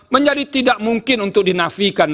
menjadi tidak mungkin untuk dinafikan